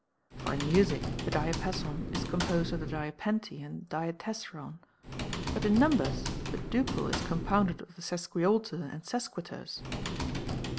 For in music, the diapason is composed of the diapente and diatessaron. But in numbers, the duple is compounded of the sesquialter and sesquiterce.